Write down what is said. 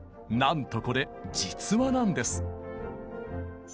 なんとこれ実話なんです。